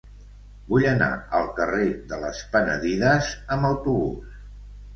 Vull anar al carrer de les Penedides amb autobús.